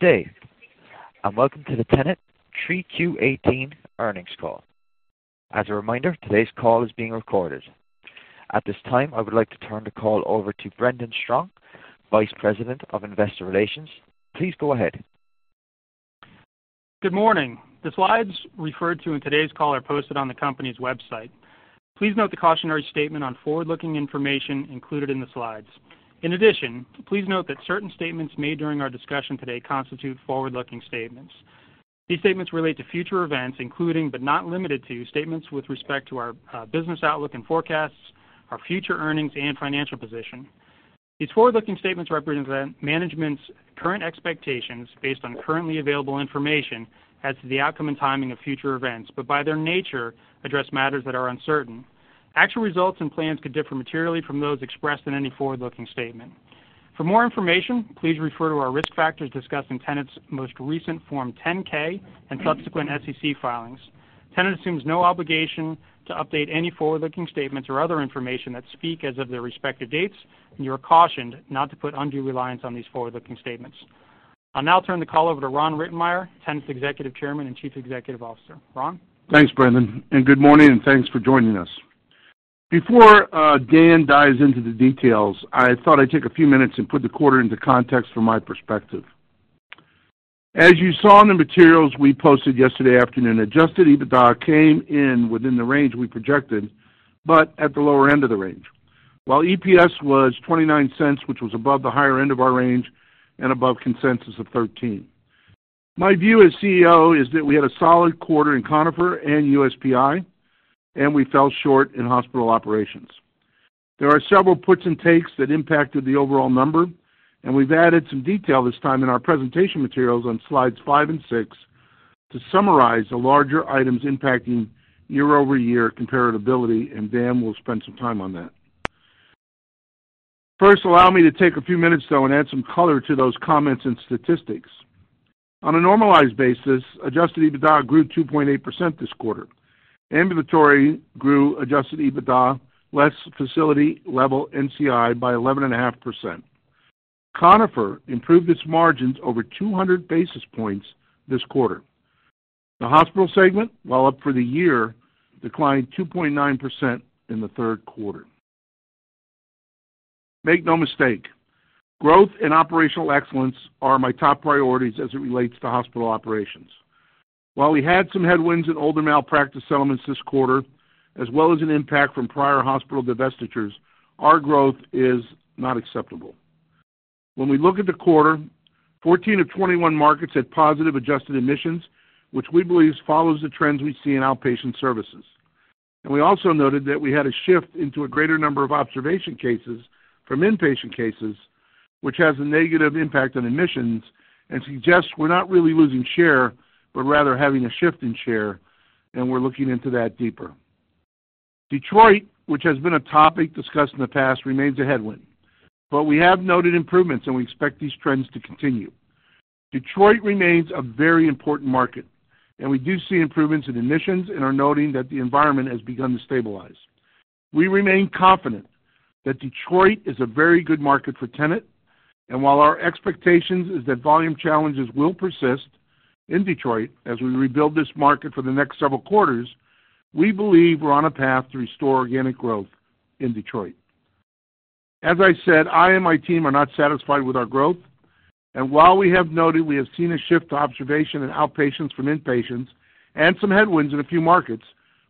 Day, and welcome to the Tenet 3Q18 earnings call. As a reminder, today's call is being recorded. At this time, I would like to turn the call over to Brendan Strong, Vice President of Investor Relations. Please go ahead. Good morning. The slides referred to in today's call are posted on the company's website. Please note the cautionary statement on forward-looking information included in the slides. In addition, please note that certain statements made during our discussion today constitute forward-looking statements. These statements relate to future events, including, but not limited to, statements with respect to our business outlook and forecasts, our future earnings, and financial position. These forward-looking statements represent management's current expectations based on currently available information as to the outcome and timing of future events, but by their nature, address matters that are uncertain. Actual results and plans could differ materially from those expressed in any forward-looking statement. For more information, please refer to our risk factors discussed in Tenet's most recent Form 10-K and subsequent SEC filings. Tenet assumes no obligation to update any forward-looking statements or other information that speak as of their respective dates, and you are cautioned not to put undue reliance on these forward-looking statements. I'll now turn the call over to Ron Rittenmeyer, Tenet's Executive Chairman and Chief Executive Officer. Ron? Thanks, Brendan, and good morning, and thanks for joining us. Before Dan dives into the details, I thought I'd take a few minutes and put the quarter into context from my perspective. As you saw in the materials we posted yesterday afternoon, adjusted EBITDA came in within the range we projected, but at the lower end of the range. While EPS was $0.29, which was above the higher end of our range and above consensus of $0.13. My view as CEO is that we had a solid quarter in Conifer and USPI, and we fell short in hospital operations. There are several puts and takes that impacted the overall number, and we've added some detail this time in our presentation materials on slides five and six to summarize the larger items impacting year-over-year comparability, and Dan will spend some time on that. First, allow me to take a few minutes, though, and add some color to those comments and statistics. On a normalized basis, adjusted EBITDA grew 2.8% this quarter. Ambulatory grew adjusted EBITDA, less facility-level NCI by 11.5%. Conifer improved its margins over 200 basis points this quarter. The hospital segment, while up for the year, declined 2.9% in the third quarter. Make no mistake, growth and operational excellence are my top priorities as it relates to hospital operations. While we had some headwinds in older malpractice settlements this quarter, as well as an impact from prior hospital divestitures, our growth is not acceptable. When we look at the quarter, 14 of 21 markets had positive adjusted admissions, which we believe follows the trends we see in outpatient services. We also noted that we had a shift into a greater number of observation cases from inpatient cases, which has a negative impact on admissions and suggests we're not really losing share, but rather having a shift in share, and we're looking into that deeper. Detroit, which has been a topic discussed in the past, remains a headwind, but we have noted improvements, and we expect these trends to continue. Detroit remains a very important market, and we do see improvements in admissions and are noting that the environment has begun to stabilize. We remain confident that Detroit is a very good market for Tenet, and while our expectations is that volume challenges will persist in Detroit as we rebuild this market for the next several quarters, we believe we're on a path to restore organic growth in Detroit. As I said, I and my team are not satisfied with our growth, and while we have noted we have seen a shift to observation in outpatients from inpatients and some headwinds in a few markets,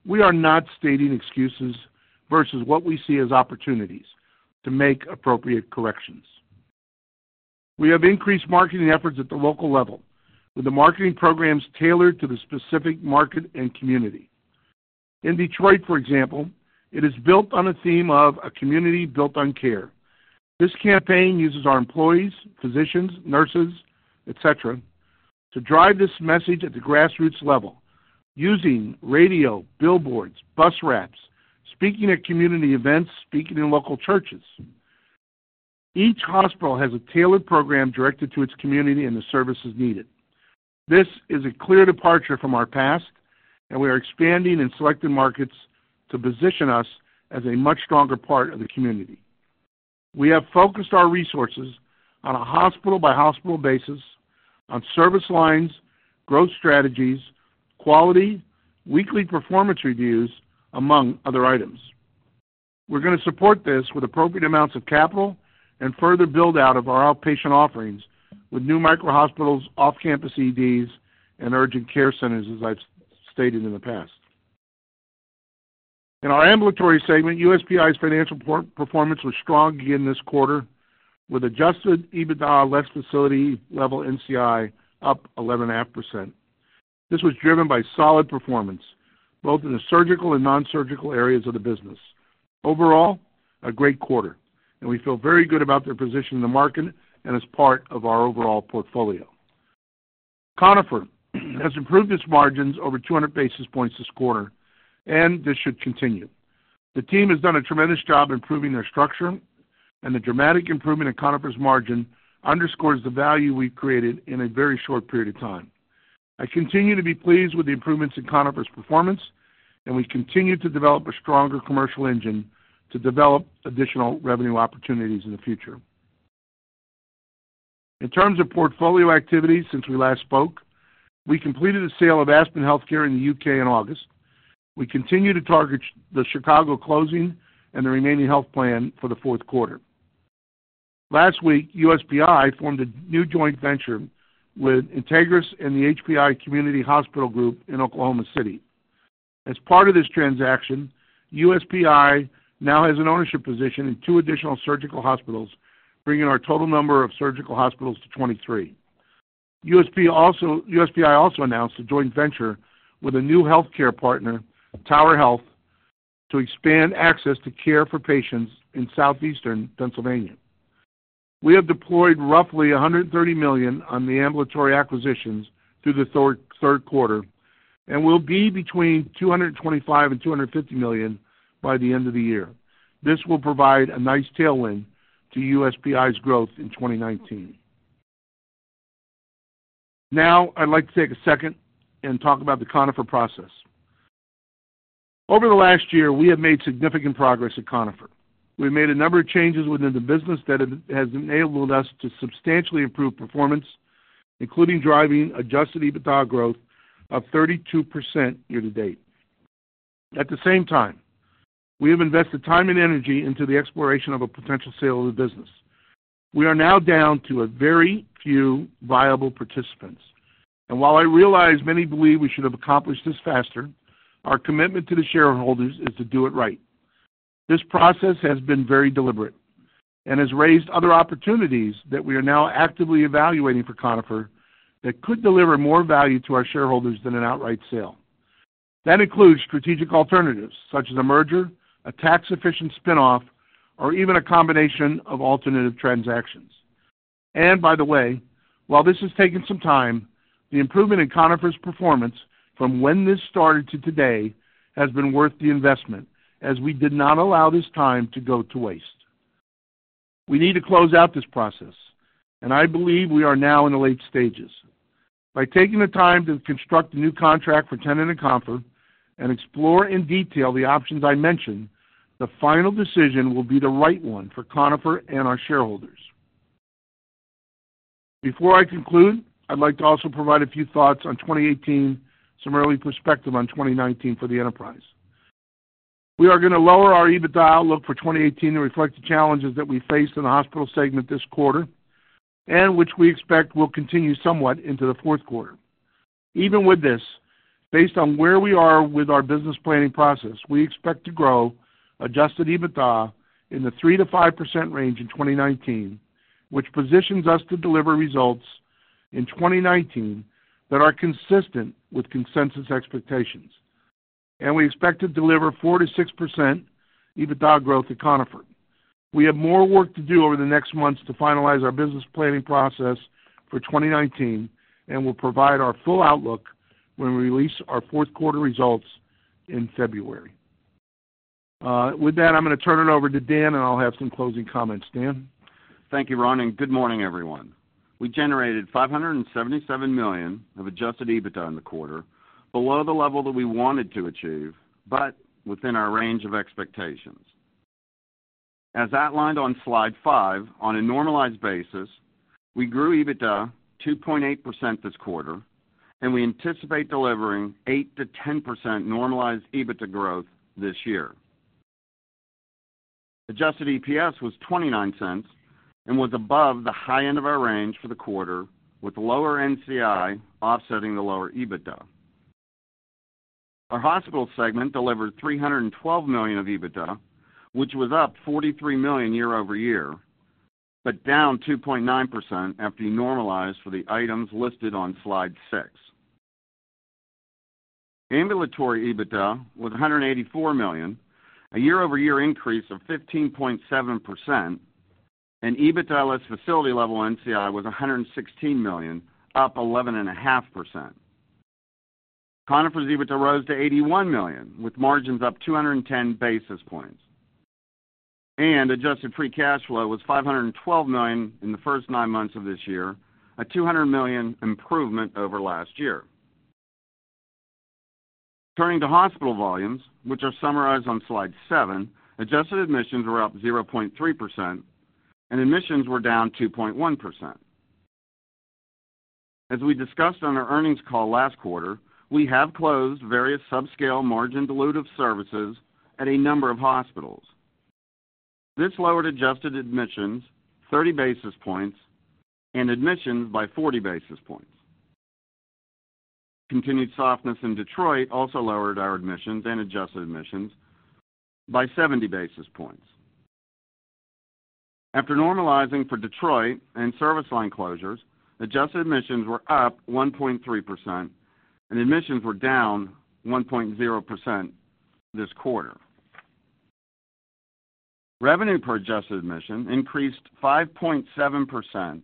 we are not stating excuses versus what we see as opportunities to make appropriate corrections. We have increased marketing efforts at the local level with the marketing programs tailored to the specific market and community. In Detroit, for example, it is built on a theme of a community built on care. This campaign uses our employees, physicians, nurses, et cetera, to drive this message at the grassroots level using radio, billboards, bus wraps, speaking at community events, speaking in local churches. Each hospital has a tailored program directed to its community and the services needed. This is a clear departure from our past, and we are expanding in selected markets to position us as a much stronger part of the community. We have focused our resources on a hospital-by-hospital basis on service lines, growth strategies, quality, weekly performance reviews, among other items. We're going to support this with appropriate amounts of capital and further build-out of our outpatient offerings with new micro hospitals, off-campus EDs, and urgent care centers, as I've stated in the past. In our ambulatory segment, USPI's financial performance was strong again this quarter with adjusted EBITDA less facility level NCI up 11.5%. This was driven by solid performance both in the surgical and non-surgical areas of the business. Overall, a great quarter, we feel very good about their position in the market and as part of our overall portfolio. Conifer has improved its margins over 200 basis points this quarter. This should continue. The team has done a tremendous job improving their structure. The dramatic improvement in Conifer's margin underscores the value we've created in a very short period of time. I continue to be pleased with the improvements in Conifer's performance. We continue to develop a stronger commercial engine to develop additional revenue opportunities in the future. In terms of portfolio activity since we last spoke, we completed the sale of Aspen Healthcare in the U.K. in August. We continue to target the Chicago closing and the remaining health plan for the fourth quarter. Last week, USPI formed a new joint venture with INTEGRIS and the HPI Community Hospital Group in Oklahoma City. As part of this transaction, USPI now has an ownership position in two additional surgical hospitals, bringing our total number of surgical hospitals to 23. USPI also announced a joint venture with a new healthcare partner, Tower Health, to expand access to care for patients in Southeastern Pennsylvania. We have deployed roughly $130 million on the ambulatory acquisitions through the third quarter. Will be between $225 million and $250 million by the end of the year. This will provide a nice tailwind to USPI's growth in 2019. I'd like to take a second and talk about the Conifer process. Over the last year, we have made significant progress at Conifer. We've made a number of changes within the business that has enabled us to substantially improve performance, including driving adjusted EBITDA growth of 32% year to date. At the same time, we have invested time and energy into the exploration of a potential sale of the business. We are now down to a very few viable participants. While I realize many believe we should have accomplished this faster, our commitment to the shareholders is to do it right. This process has been very deliberate and has raised other opportunities that we are now actively evaluating for Conifer that could deliver more value to our shareholders than an outright sale. That includes strategic alternatives such as a merger, a tax efficient spinoff, or even a combination of alternative transactions. By the way, while this has taken some time, the improvement in Conifer's performance from when this started to today has been worth the investment, as we did not allow this time to go to waste. We need to close out this process. I believe we are now in the late stages. By taking the time to construct a new contract for Tenet and Conifer and explore in detail the options I mentioned, the final decision will be the right one for Conifer and our shareholders. Before I conclude, I'd like to also provide a few thoughts on 2018, some early perspective on 2019 for the enterprise. We are going to lower our EBITDA outlook for 2018 to reflect the challenges that we faced in the hospital segment this quarter, which we expect will continue somewhat into the fourth quarter. Even with this, based on where we are with our business planning process, we expect to grow adjusted EBITDA in the 3%-5% range in 2019, which positions us to deliver results in 2019 that are consistent with consensus expectations. We expect to deliver 4%-6% EBITDA growth at Conifer. We have more work to do over the next months to finalize our business planning process for 2019, we'll provide our full outlook when we release our fourth quarter results in February. With that, I'm going to turn it over to Dan, I'll have some closing comments. Dan? Thank you, Ron, and good morning, everyone. We generated $577 million of adjusted EBITDA in the quarter, below the level that we wanted to achieve, within our range of expectations. As outlined on slide five, on a normalized basis, we grew EBITDA 2.8% this quarter, we anticipate delivering 8%-10% normalized EBITDA growth this year. Adjusted EPS was $0.29, was above the high end of our range for the quarter with lower NCI offsetting the lower EBITDA. Our hospital segment delivered $312 million of EBITDA, which was up $43 million year-over-year, down 2.9% after you normalize for the items listed on slide six. Ambulatory EBITDA was $184 million, a year-over-year increase of 15.7%. EBITDA less facility level NCI was $116 million, up 11.5%. Conifer's EBITDA rose to $81 million, with margins up 210 basis points. Adjusted free cash flow was $512 million in the first nine months of this year, a $200 million improvement over last year. Turning to hospital volumes, which are summarized on slide seven, adjusted admissions were up 0.3%, admissions were down 2.1%. As we discussed on our earnings call last quarter, we have closed various sub-scale margin dilutive services at a number of hospitals. This lowered adjusted admissions 30 basis points and admissions by 40 basis points. Continued softness in Detroit also lowered our admissions and adjusted admissions by 70 basis points. After normalizing for Detroit and service line closures, adjusted admissions were up 1.3%, admissions were down 1.0% this quarter. Revenue per adjusted admission increased 5.7%,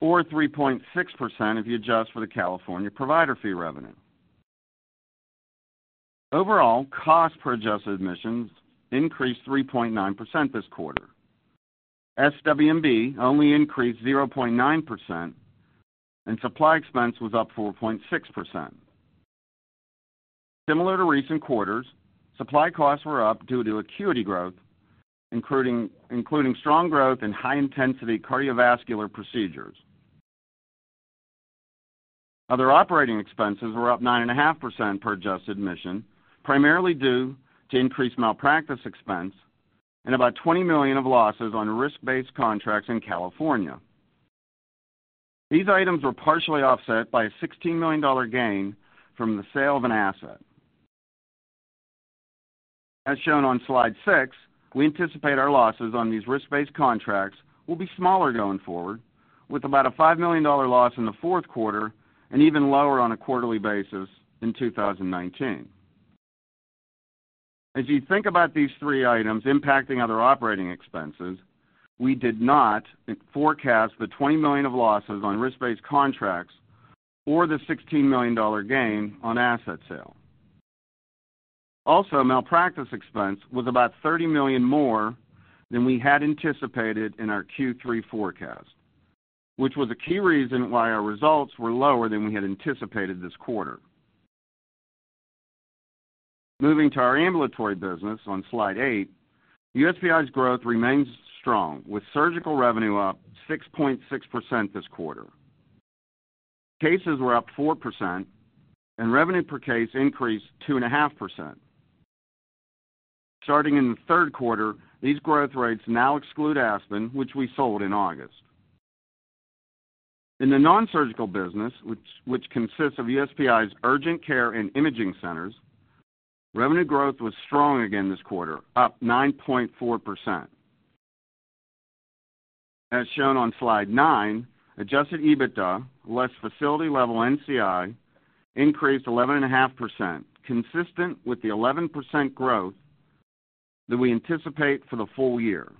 or 3.6% if you adjust for the California provider fee revenue. Overall cost per adjusted admissions increased 3.9% this quarter. SWB only increased 0.9%, supply expense was up 4.6%. Similar to recent quarters, supply costs were up due to acuity growth, including strong growth in high-intensity cardiovascular procedures. Other operating expenses were up 9.5% per adjusted admission, primarily due to increased malpractice expense and about $20 million of losses on risk-based contracts in California. These items were partially offset by a $16 million gain from the sale of an asset. As shown on slide six, we anticipate our losses on these risk-based contracts will be smaller going forward, with about a $5 million loss in the fourth quarter and even lower on a quarterly basis in 2019. As you think about these three items impacting other operating expenses, we did not forecast the $20 million of losses on risk-based contracts or the $16 million gain on asset sale. malpractice expense was about $30 million more than we had anticipated in our Q3 forecast, which was a key reason why our results were lower than we had anticipated this quarter. Moving to our ambulatory business on slide eight, USPI's growth remains strong, with surgical revenue up 6.6% this quarter. Cases were up 4%, and revenue per case increased 2.5%. Starting in the third quarter, these growth rates now exclude Aspen, which we sold in August. In the non-surgical business, which consists of USPI's urgent care and imaging centers, revenue growth was strong again this quarter, up 9.4%. As shown on slide nine, adjusted EBITDA, less facility level NCI, increased 11.5%, consistent with the 11% growth that we anticipate for the full year.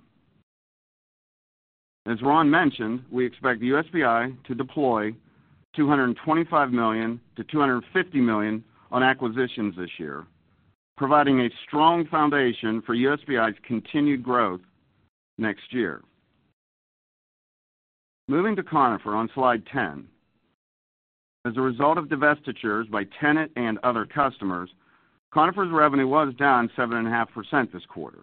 As Ron mentioned, we expect USPI to deploy $225 million to $250 million on acquisitions this year, providing a strong foundation for USPI's continued growth next year. Moving to Conifer on slide 10. As a result of divestitures by Tenet and other customers, Conifer's revenue was down 7.5% this quarter.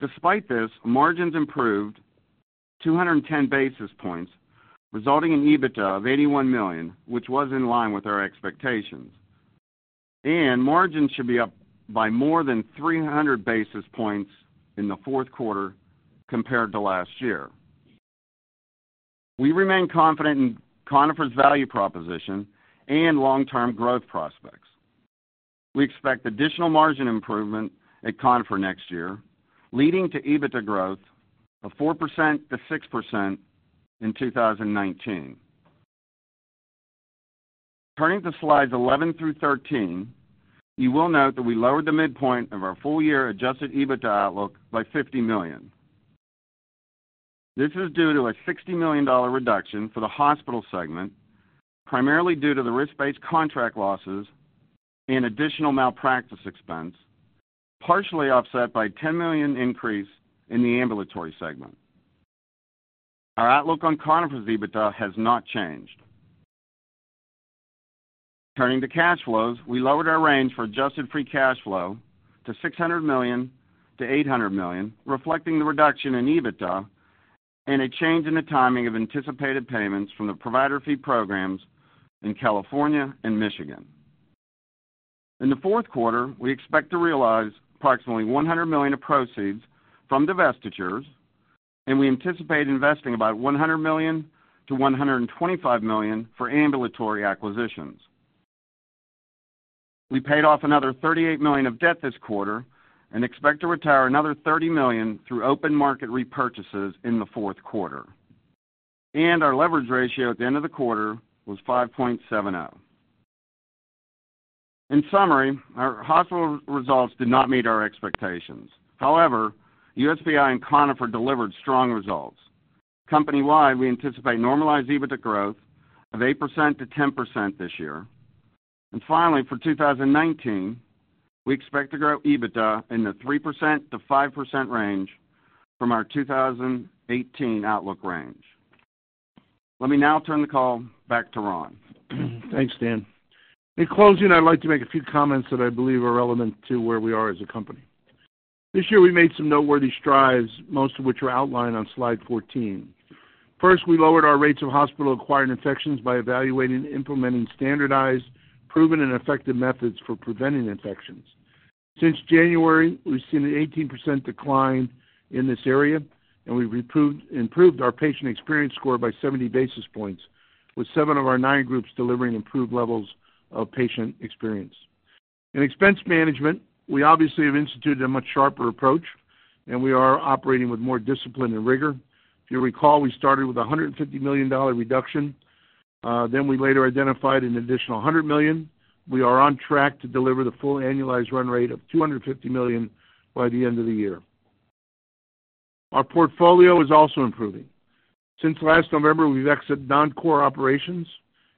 Despite this, margins improved 210 basis points, resulting in EBITDA of $81 million, which was in line with our expectations. Margins should be up by more than 300 basis points in the fourth quarter compared to last year. We remain confident in Conifer's value proposition and long-term growth prospects. We expect additional margin improvement at Conifer next year, leading to EBITDA growth of 4% to 6% in 2019. Turning to slides 11 through 13, you will note that we lowered the midpoint of our full-year adjusted EBITDA outlook by $50 million. This is due to a $60 million reduction for the hospital segment, primarily due to the risk-based contract losses and additional malpractice expense, partially offset by $10 million increase in the ambulatory segment. Our outlook on Conifer's EBITDA has not changed. Turning to cash flows, we lowered our range for adjusted free cash flow to $600 million to $800 million, reflecting the reduction in EBITDA and a change in the timing of anticipated payments from the provider fee programs in California and Michigan. In the fourth quarter, we expect to realize approximately $100 million of proceeds from divestitures, and we anticipate investing about $100 million to $125 million for ambulatory acquisitions. We paid off another $38 million of debt this quarter and expect to retire another $30 million through open market repurchases in the fourth quarter. Our leverage ratio at the end of the quarter was 5.70. In summary, our hospital results did not meet our expectations. However, USPI and Conifer delivered strong results. Company-wide, we anticipate normalized EBITDA growth of 8% to 10% this year. Finally, for 2019, we expect to grow EBITDA in the 3% to 5% range from our 2018 outlook range. Let me now turn the call back to Ron. Thanks, Dan. In closing, I'd like to make a few comments that I believe are relevant to where we are as a company. This year we made some noteworthy strides, most of which are outlined on slide 14. First, we lowered our rates of hospital-acquired infections by evaluating and implementing standardized, proven, and effective methods for preventing infections. Since January, we've seen an 18% decline in this area, and we've improved our patient experience score by 70 basis points, with seven of our nine groups delivering improved levels of patient experience. In expense management, we obviously have instituted a much sharper approach, and we are operating with more discipline and rigor. If you recall, we started with $150 million reduction. We later identified an additional $100 million. We are on track to deliver the full annualized run rate of $250 million by the end of the year. Our portfolio is also improving. Since last November, we've exited non-core operations,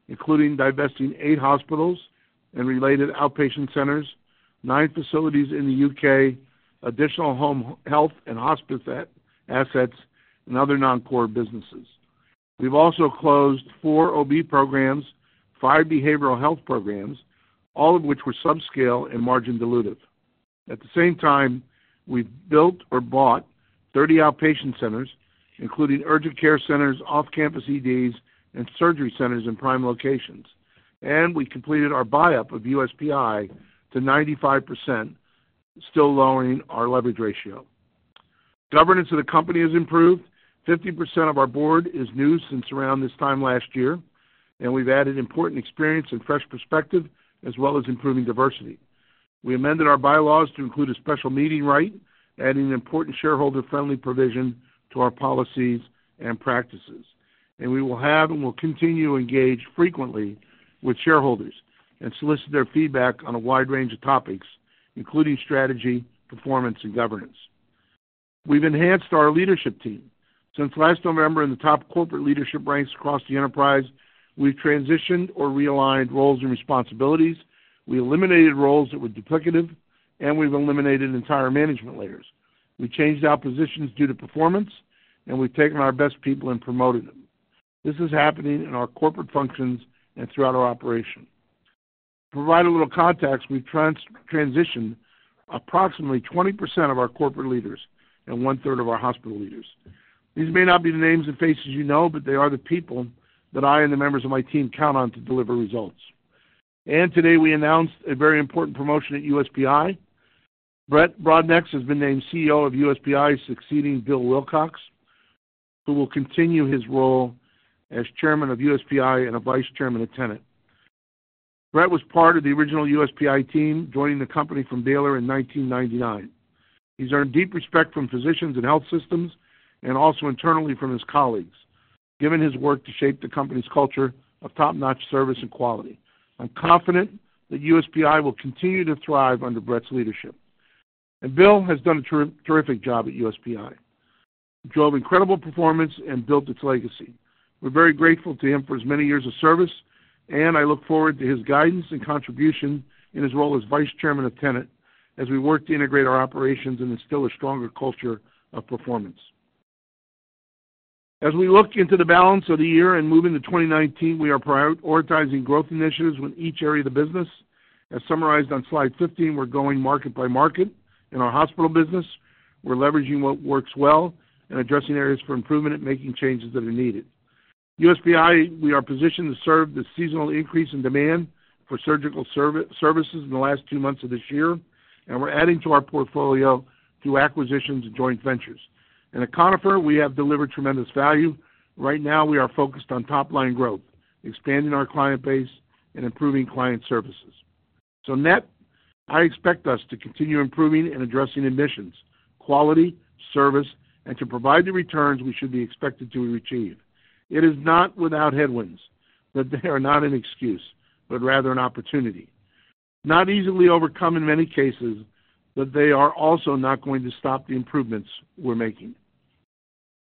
including divesting eight hospitals and related outpatient centers, nine facilities in the U.K., additional home health and hospice assets, and other non-core businesses. We've also closed four OB programs, five behavioral health programs, all of which were subscale and margin dilutive. At the same time, we've built or bought 30 outpatient centers, including urgent care centers, off-campus EDs, and surgery centers in prime locations, and we completed our buyup of USPI to 95%, still lowering our leverage ratio. Governance of the company has improved. 50% of our board is new since around this time last year, and we've added important experience and fresh perspective, as well as improving diversity. We amended our bylaws to include a special meeting right, adding an important shareholder-friendly provision to our policies and practices. We will have and will continue to engage frequently with shareholders and solicit their feedback on a wide range of topics, including strategy, performance, and governance. We've enhanced our leadership team. Since last November, in the top corporate leadership ranks across the enterprise, we've transitioned or realigned roles and responsibilities, we eliminated roles that were duplicative, and we've eliminated entire management layers. We changed out positions due to performance, and we've taken our best people and promoted them. This is happening in our corporate functions and throughout our operation. To provide a little context, we've transitioned approximately 20% of our corporate leaders and one-third of our hospital leaders. These may not be the names and faces you know, but they are the people that I and the members of my team count on to deliver results. Today, we announced a very important promotion at USPI. Brett Brodnax has been named CEO of USPI, succeeding Bill Wilcox, who will continue his role as Chairman of USPI and a Vice Chairman of Tenet. Brett was part of the original USPI team, joining the company from Baylor in 1999. He's earned deep respect from physicians and health systems, and also internally from his colleagues, given his work to shape the company's culture of top-notch service and quality. I'm confident that USPI will continue to thrive under Brett's leadership. Bill has done a terrific job at USPI. He drove incredible performance and built its legacy. We're very grateful to him for his many years of service, and I look forward to his guidance and contribution in his role as vice chairman of Tenet as we work to integrate our operations and instill a stronger culture of performance. As we look into the balance of the year and move into 2019, we are prioritizing growth initiatives with each area of the business. As summarized on slide 15, we're going market by market. In our hospital business, we're leveraging what works well and addressing areas for improvement and making changes that are needed. USPI, we are positioned to serve the seasonal increase in demand for surgical services in the last two months of this year, and we're adding to our portfolio through acquisitions and joint ventures. At Conifer, we have delivered tremendous value. Right now, we are focused on top-line growth, expanding our client base, and improving client services. Net, I expect us to continue improving and addressing admissions, quality, service, and to provide the returns we should be expected to receive. It is not without headwinds, but they are not an excuse, but rather an opportunity. Not easily overcome in many cases, but they are also not going to stop the improvements we're making.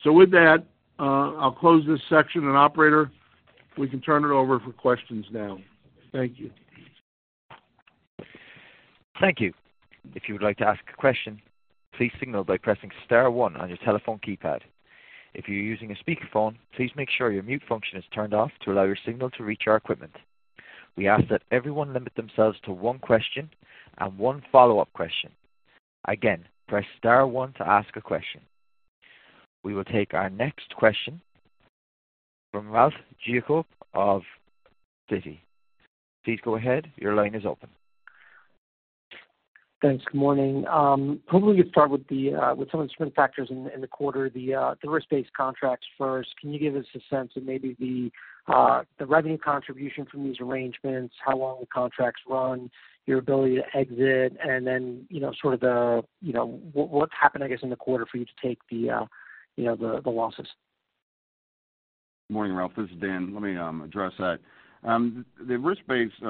With that, I'll close this section. Operator, we can turn it over for questions now. Thank you. Thank you. If you would like to ask a question, please signal by pressing star one on your telephone keypad. If you're using a speakerphone, please make sure your mute function is turned off to allow your signal to reach our equipment. We ask that everyone limit themselves to one question and one follow-up question. Again, press star one to ask a question. We will take our next question from Ralph Giacobbe of Citigroup. Please go ahead. Your line is open. Thanks. Good morning. Probably start with some of the factors in the quarter, the risk-based contracts first. Can you give us a sense of maybe the revenue contribution from these arrangements, how long the contracts run, your ability to exit, then sort of what happened, I guess, in the quarter for you to take the losses? Morning, Ralph. This is Dan. Let me address that. The risk-based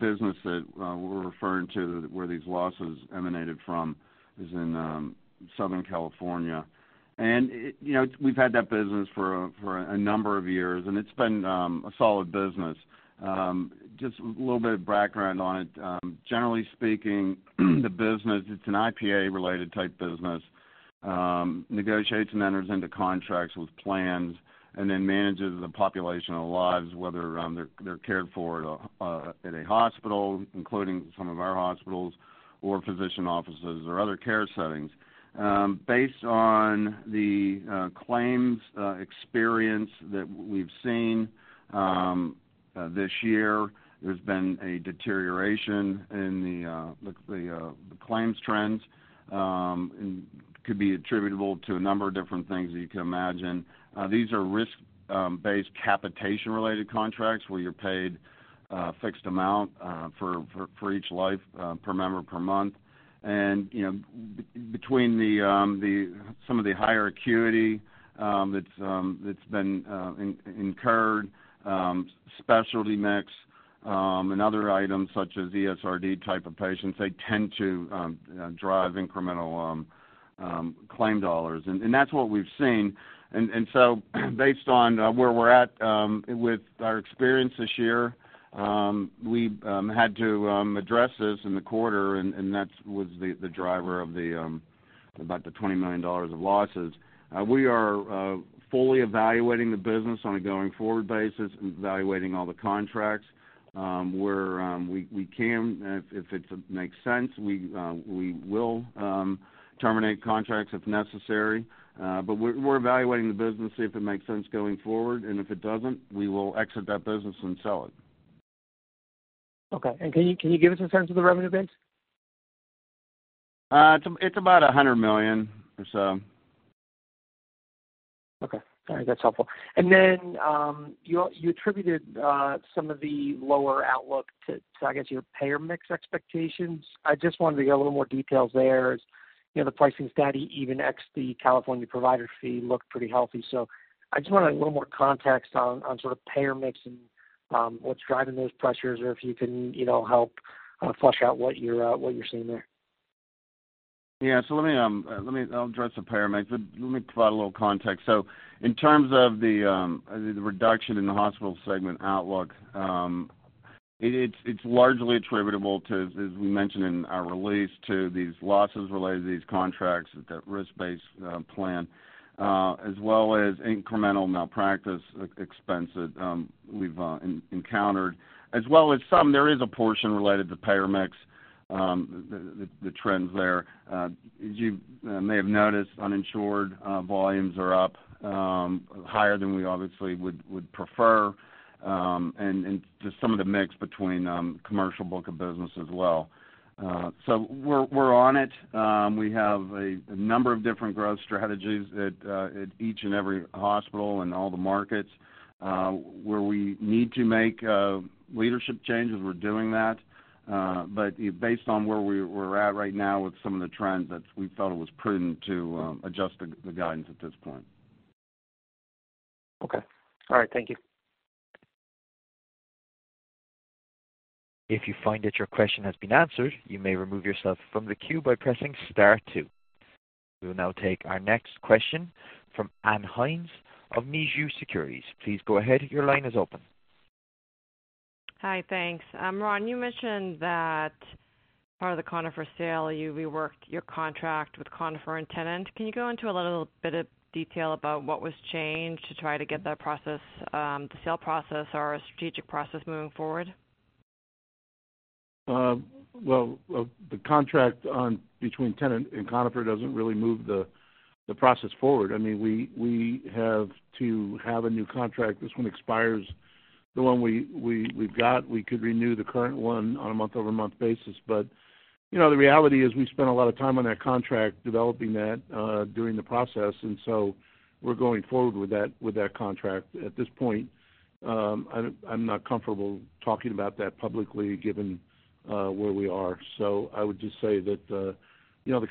business that we're referring to, where these losses emanated from, is in Southern California. We've had that business for a number of years, and it's been a solid business. Just a little bit of background on it. Generally speaking, the business, it's an IPA-related type business, negotiates and enters into contracts with plans, then manages the population lives, whether they're cared for at a hospital, including some of our hospitals, or physician offices or other care settings. Based on the claims experience that we've seen this year, there's been a deterioration in the claims trends, could be attributable to a number of different things that you can imagine. These are risk-based capitation-related contracts where you're paid a fixed amount for each life per member per month. Between some of the higher acuity that's been incurred, specialty mix Other items such as ESRD type of patients, they tend to drive incremental claim dollars. That's what we've seen. Based on where we're at with our experience this year, we had to address this in the quarter, that was the driver of about the $20 million of losses. We are fully evaluating the business on a going-forward basis and evaluating all the contracts. Where we can, if it makes sense, we will terminate contracts if necessary. We're evaluating the business, see if it makes sense going forward, if it doesn't, we will exit that business and sell it. Okay. Can you give us a sense of the revenue base? It's about $100 million or so. Okay. All right. That's helpful. Then, you attributed some of the lower outlook to, I guess, your payer mix expectations. I just wanted to get a little more details there. You know, the pricing study even ex the California provider fee looked pretty healthy. I just wanted a little more context on sort of payer mix and what's driving those pressures, or if you can help flush out what you're seeing there. Yeah. I'll address the payer mix, but let me provide a little context. In terms of the reduction in the hospital segment outlook, it's largely attributable to, as we mentioned in our release, to these losses related to these contracts, that risk-based plan, as well as incremental malpractice expense that we've encountered, as well as some, there is a portion related to payer mix, the trends there. You may have noticed, uninsured volumes are up higher than we obviously would prefer, and just some of the mix between commercial book of business as well. We're on it. We have a number of different growth strategies at each and every hospital in all the markets. Where we need to make leadership changes, we're doing that. Based on where we're at right now with some of the trends, that we felt it was prudent to adjust the guidance at this point. Okay. All right, thank you. If you find that your question has been answered, you may remove yourself from the queue by pressing star two. We will now take our next question from Ann Hynes of Mizuho Securities. Please go ahead. Your line is open. Hi. Thanks. Ron, you mentioned that part of the Conifer sale, you reworked your contract with Conifer and Tenet. Can you go into a little bit of detail about what was changed to try to get that process, the sale process or strategic process moving forward? The contract between Tenet and Conifer doesn't really move the process forward. We have to have a new contract. This one expires, the one we've got. The reality is we spent a lot of time on that contract, developing that during the process, and so we're going forward with that contract. At this point, I'm not comfortable talking about that publicly, given where we are. I would just say that the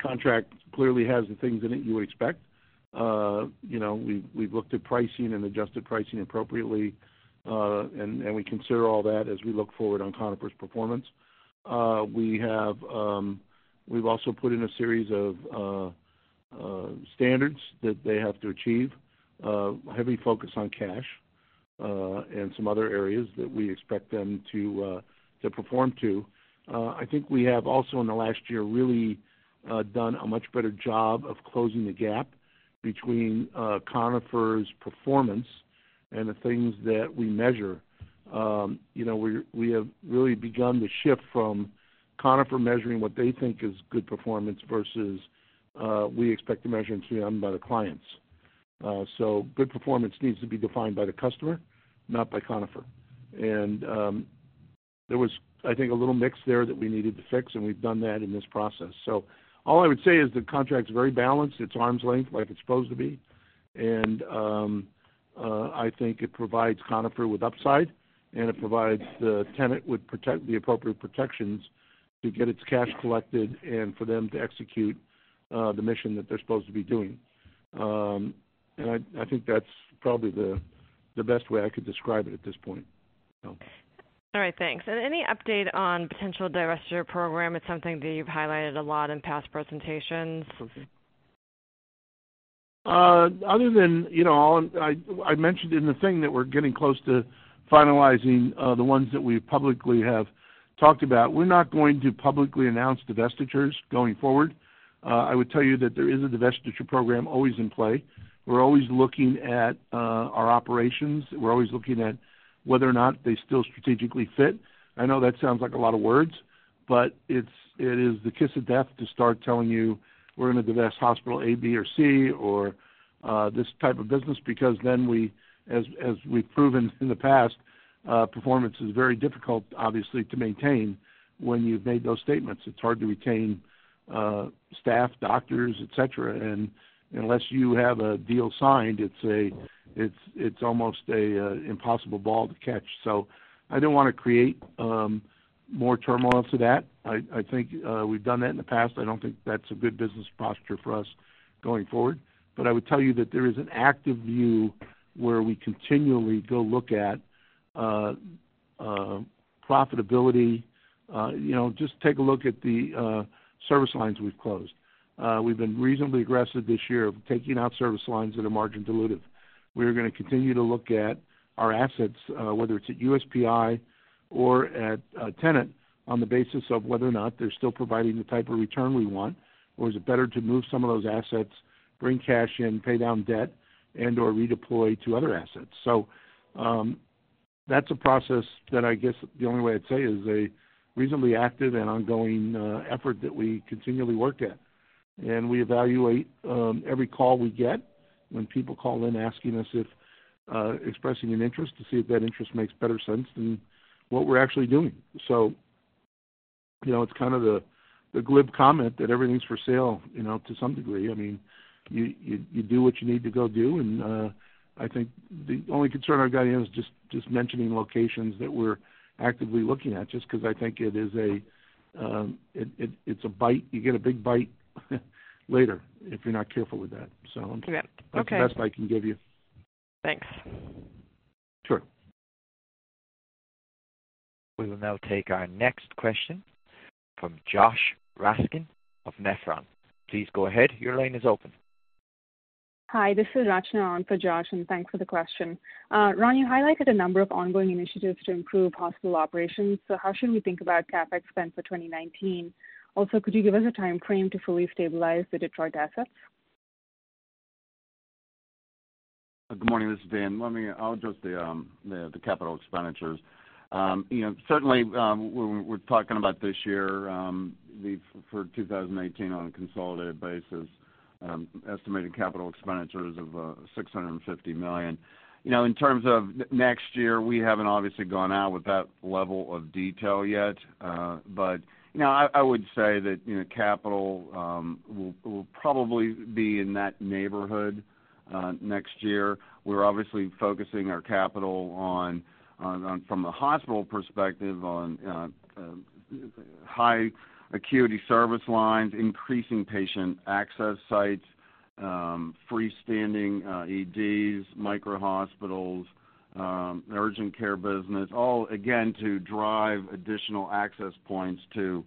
contract clearly has the things in it you expect. We've looked at pricing and adjusted pricing appropriately, and we consider all that as we look forward on Conifer's performance. We've also put in a series of standards that they have to achieve, a heavy focus on cash, and some other areas that we expect them to perform to. I think we have also, in the last year, really done a much better job of closing the gap between Conifer's performance and the things that we measure. We have really begun to shift from Conifer measuring what they think is good performance versus we expect to measure and see them by the clients. Good performance needs to be defined by the customer, not by Conifer. There was, I think, a little mix there that we needed to fix, and we've done that in this process. All I would say is the contract's very balanced. It's arm's length, like it's supposed to be. I think it provides Conifer with upside, and it provides Tenet with the appropriate protections to get its cash collected and for them to execute the mission that they're supposed to be doing. I think that's probably the best way I could describe it at this point. All right. Thanks. Any update on potential divestiture program? It's something that you've highlighted a lot in past presentations. Other than, I mentioned in the thing that we're getting close to finalizing the ones that we publicly have talked about. We're not going to publicly announce divestitures going forward. I would tell you that there is a divestiture program always in play. We're always looking at our operations. We're always looking at whether or not they still strategically fit. I know that sounds like a lot of words, it is the kiss of death to start telling you we're going to divest hospital A, B, or C or this type of business, because then as we've proven in the past, performance is very difficult, obviously, to maintain when you've made those statements. It's hard to retain staff, doctors, et cetera. Unless you have a deal signed, it's almost a impossible ball to catch. I didn't want to create more turmoil to that. I think we've done that in the past. I don't think that's a good business posture for us going forward. I would tell you that there is an active view where we continually go look at profitability. Just take a look at the service lines we've closed. We've been reasonably aggressive this year of taking out service lines that are margin dilutive. We are going to continue to look at our assets, whether it's at USPI or at Tenet, on the basis of whether or not they're still providing the type of return we want, or is it better to move some of those assets, bring cash in, pay down debt, and/or redeploy to other assets. That's a process that I guess the only way I'd say is a reasonably active and ongoing effort that we continually work at. We evaluate every call we get when people call in expressing an interest, to see if that interest makes better sense than what we're actually doing. It's kind of the glib comment that everything's for sale, to some degree. You do what you need to go do. I think the only concern I've got here is just mentioning locations that we're actively looking at, just because I think you get a big bite later if you're not careful with that. Okay. That's the best I can give you. Thanks. Sure. We will now take our next question from Josh Raskin of Nephron. Please go ahead. Your line is open. Hi, this is Rachna on for Josh, and thanks for the question. Ron, you highlighted a number of ongoing initiatives to improve hospital operations. How should we think about CapEx spend for 2019? Also, could you give us a timeframe to fully stabilize the Detroit assets? Good morning. This is Dan. I'll address the capital expenditures. Certainly, when we're talking about this year, for 2018 on a consolidated basis, estimated capital expenditures of $650 million. In terms of next year, we haven't obviously gone out with that level of detail yet. I would say that capital will probably be in that neighborhood next year. We're obviously focusing our capital, from a hospital perspective, on high acuity service lines, increasing patient access sites, freestanding EDs, micro hospitals, urgent care business, all again, to drive additional access points to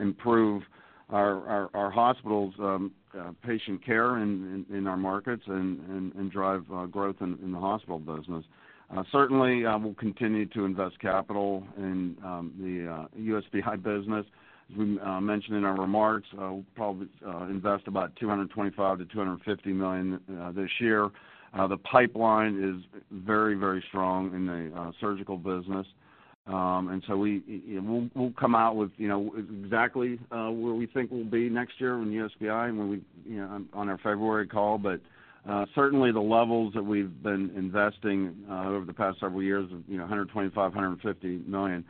improve our hospitals' patient care in our markets, and drive growth in the hospital business. Certainly, we'll continue to invest capital in the USPI business. As we mentioned in our remarks, we'll probably invest about $225 million-$250 million this year. The pipeline is very strong in the surgical business. We'll come out with exactly where we think we'll be next year in USPI on our February call. Certainly, the levels that we've been investing over the past several years of $125 million, $150 million,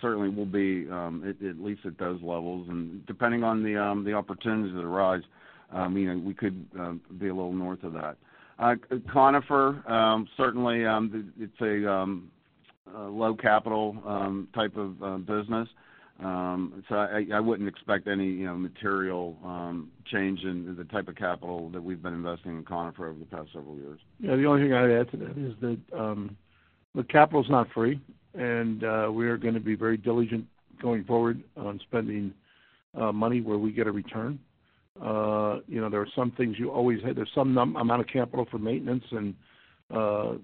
certainly will be at least at those levels. Depending on the opportunities that arise, we could be a little north of that. Conifer, certainly, it's a low capital type of business. I wouldn't expect any material change in the type of capital that we've been investing in Conifer over the past several years. Yeah, the only thing I'd add to that is that capital's not free, and we are going to be very diligent going forward on spending money where we get a return. There's some amount of capital for maintenance and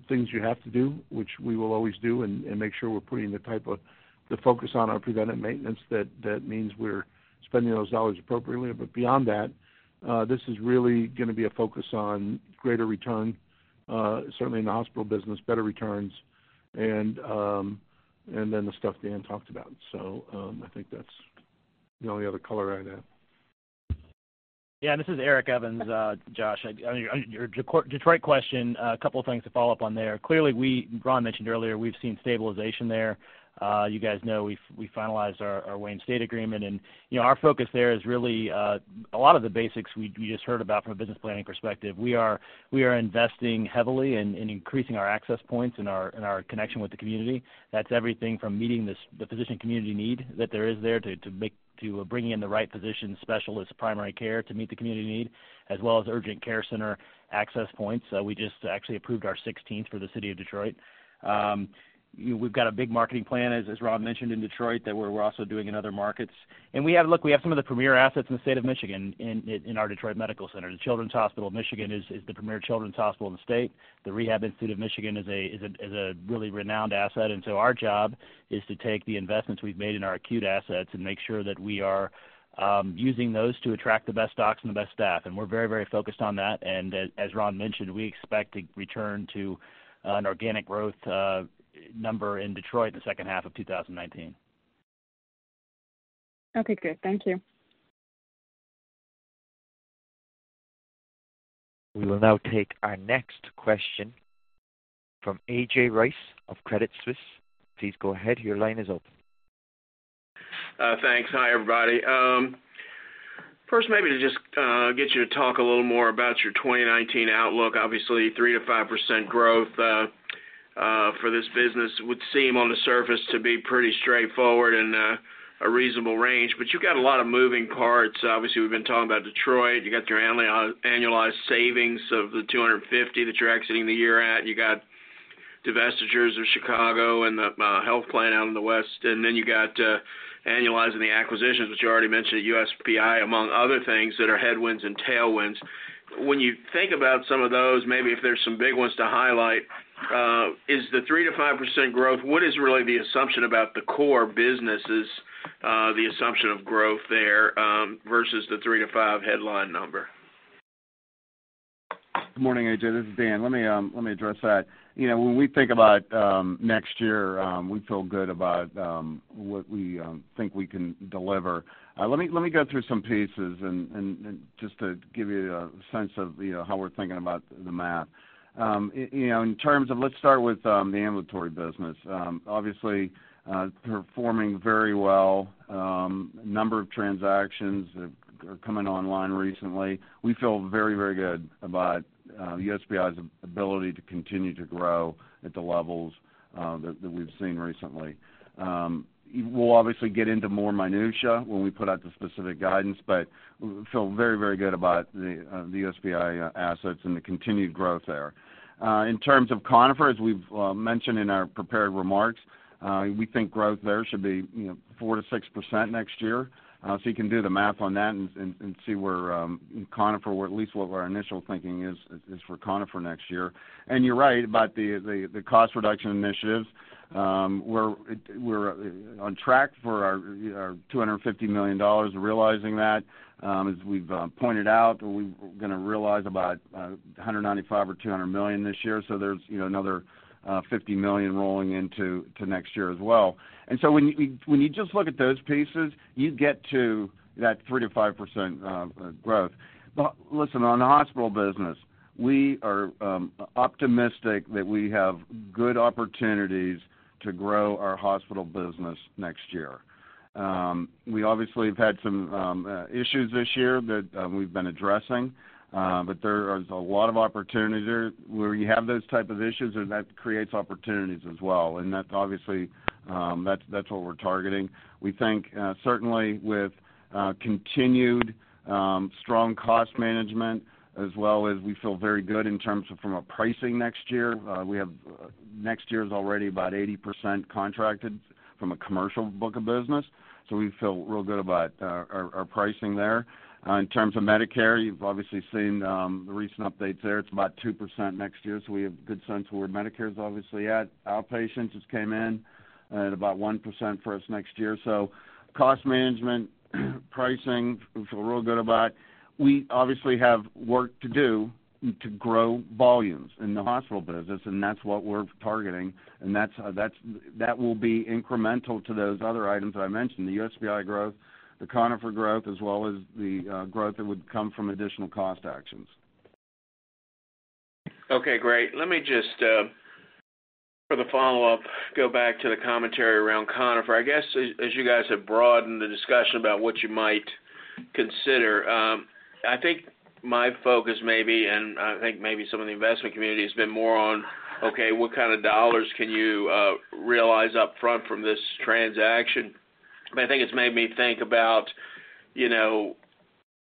things you have to do, which we will always do, and make sure we're putting the focus on our preventive maintenance. That means we're spending those dollars appropriately. Beyond that, this is really going to be a focus on greater return, certainly in the hospital business, better returns, and then the stuff Dan talked about. I think that's the only other color I'd add. Yeah. This is Eric Evans. Josh, on your Detroit question, a couple of things to follow up on there. Clearly, Ron mentioned earlier, we've seen stabilization there. You guys know we finalized our Wayne State agreement, and our focus there is really a lot of the basics we just heard about from a business planning perspective. We are investing heavily in increasing our access points and our connection with the community. That's everything from meeting the physician community need that there is there, to bringing in the right physician specialists, primary care to meet the community need, as well as urgent care center access points. We just actually approved our 16th for the city of Detroit. We've got a big marketing plan, as Ron mentioned, in Detroit, that we're also doing in other markets. Look, we have some of the premier assets in the state of Michigan in our Detroit Medical Center. The Children's Hospital of Michigan is the premier children's hospital in the state. The Rehab Institute of Michigan is a really renowned asset. Our job is to take the investments we've made in our acute assets and make sure that we are using those to attract the best docs and the best staff. We're very focused on that. As Ron mentioned, we expect to return to an organic growth number in Detroit in the second half of 2019. Okay, great. Thank you. We will now take our next question from A.J. Rice of Credit Suisse. Please go ahead. Your line is open. Thanks. Hi, everybody. First, maybe to just get you to talk a little more about your 2019 outlook. Obviously, 3%-5% growth for this business would seem on the surface to be pretty straightforward and a reasonable range, but you've got a lot of moving parts. Obviously, we've been talking about Detroit. You got your annualized savings of $250 million that you're exiting the year at. You got divestitures of Chicago and the health plan out in the West. You got annualizing the acquisitions, which you already mentioned at USPI, among other things that are headwinds and tailwinds. When you think about some of those, maybe if there's some big ones to highlight, is the 3%-5% growth, what is really the assumption about the core businesses, the assumption of growth there, versus the 3%-5% headline number? Good morning, A.J. This is Dan. Let me address that. When we think about next year, we feel good about what we think we can deliver. Let me go through some pieces and just to give you a sense of how we're thinking about the math. Let's start with the ambulatory business. Obviously, performing very well. A number of transactions are coming online recently. We feel very, very good about USPI's ability to continue to grow at the levels that we've seen recently. We'll obviously get into more minutia when we put out the specific guidance, but we feel very, very good about the USPI assets and the continued growth there. In terms of Conifer, as we've mentioned in our prepared remarks, we think growth there should be 4%-6% next year. You can do the math on that and see where Conifer, or at least what our initial thinking is for Conifer next year. You're right about the cost reduction initiatives. We're on track for our $250 million of realizing that. As we've pointed out, we're going to realize about $195 million or $200 million this year, so there's another $50 million rolling into next year as well. When you just look at those pieces, you get to that 3%-5% growth. Listen, on the hospital business, we are optimistic that we have good opportunities to grow our hospital business next year. We obviously have had some issues this year that we've been addressing. There is a lot of opportunity there. Where you have those type of issues, that creates opportunities as well. That's obviously what we're targeting. We think, certainly with continued strong cost management as well as we feel very good in terms of from a pricing next year. We have next year's already about 80% contracted from a commercial book of business. We feel real good about our pricing there. In terms of Medicare, you've obviously seen the recent updates there. It's about 2% next year, we have good sense where Medicare's obviously at. Outpatients just came in at about 1% for us next year. Cost management, pricing, we feel real good about. We obviously have work to do to grow volumes in the hospital business, and that's what we're targeting. That will be incremental to those other items that I mentioned, the USPI growth, the Conifer growth, as well as the growth that would come from additional cost actions. Okay, great. Let me just, for the follow-up, go back to the commentary around Conifer. I guess, as you guys have broadened the discussion about what you might consider, I think my focus maybe, and I think maybe some of the investment community has been more on, okay, what kind of dollars can you realize up front from this transaction? I think it's made me think about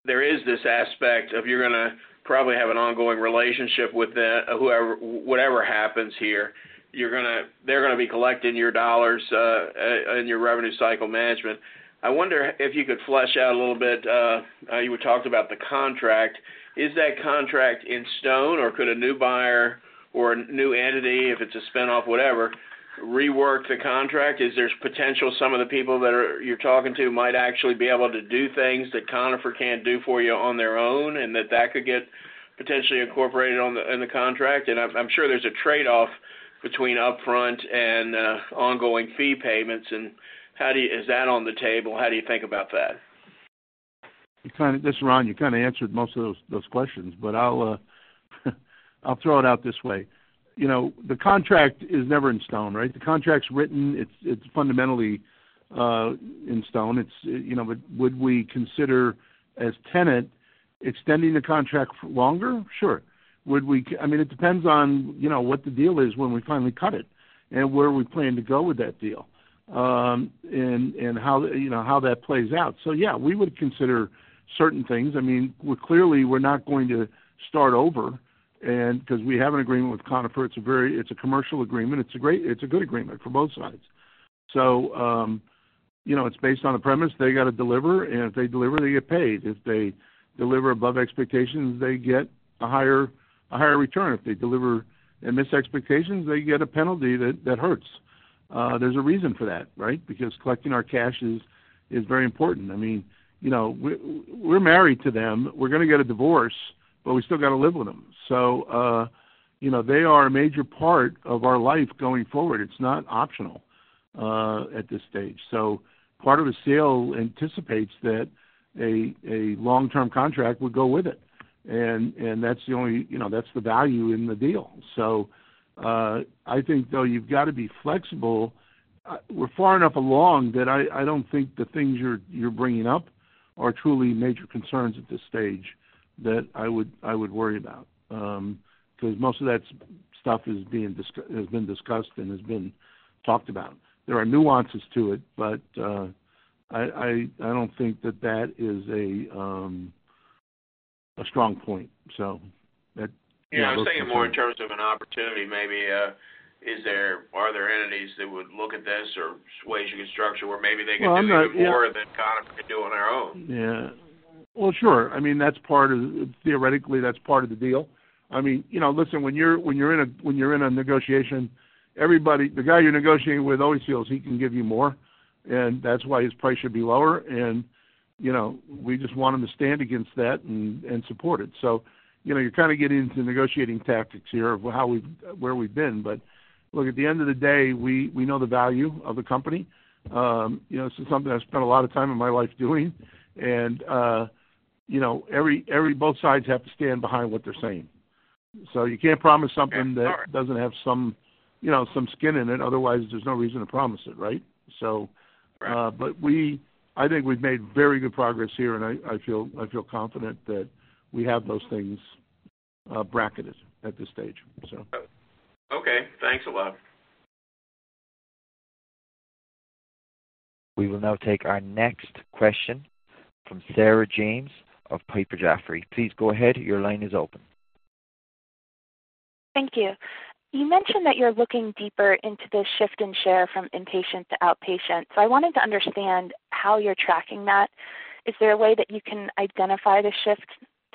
there is this aspect of you're going to probably have an ongoing relationship with them. Whatever happens here, they're going to be collecting your dollars in your revenue cycle management. I wonder if you could flesh out a little bit, you had talked about the contract. Is that contract in stone, or could a new buyer or a new entity, if it's a spin-off, whatever, rework the contract? Is there potential some of the people that you're talking to might actually be able to do things that Conifer can't do for you on their own, and that that could get potentially incorporated in the contract? I'm sure there's a trade-off between upfront and ongoing fee payments. Is that on the table? How do you think about that? This is Ron, you kind of answered most of those questions, I'll throw it out this way. The contract is never in stone, right? The contract's written. It's fundamentally in stone. Would we consider, as Tenet, extending the contract longer? Sure. It depends on what the deal is when we finally cut it and where we plan to go with that deal, and how that plays out. Yeah, we would consider certain things. Clearly, we're not going to start over because we have an agreement with Conifer. It's a commercial agreement. It's a good agreement for both sides. It's based on a premise they got to deliver, and if they deliver, they get paid. If they deliver above expectations, they get a higher return. If they deliver and miss expectations, they get a penalty that hurts. There's a reason for that, right? Collecting our cash is very important. We're married to them. We're going to get a divorce, but we still got to live with them. They are a major part of our life going forward. It's not optional at this stage. Part of a sale anticipates that a long-term contract would go with it. That's the value in the deal. I think, though, you've got to be flexible. We're far enough along that I don't think the things you're bringing up are truly major concerns at this stage that I would worry about. Most of that stuff has been discussed and has been talked about. There are nuances to it, I don't think that that is a strong point. Yeah, I was thinking more in terms of an opportunity maybe. Are there entities that would look at this or ways you could structure where maybe they could do even more than kind of they do on their own? Yeah. Well, sure. Theoretically, that's part of the deal. Listen, when you're in a negotiation, the guy you're negotiating with always feels he can give you more, and that's why his price should be lower. We just want him to stand against that and support it. You're kind of getting into negotiating tactics here of where we've been. Look, at the end of the day, we know the value of the company. This is something I've spent a lot of time in my life doing, and both sides have to stand behind what they're saying. You can't promise something that- Sure doesn't have some skin in it, otherwise there's no reason to promise it, right? Right. I think we've made very good progress here, and I feel confident that we have those things bracketed at this stage. Okay, thanks a lot. We will now take our next question from Sarah James of Piper Jaffray. Please go ahead. Your line is open. Thank you. You mentioned that you're looking deeper into the shift in share from inpatient to outpatient. I wanted to understand how you're tracking that. Is there a way that you can identify the shift